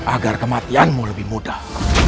agar kematianmu lebih mudah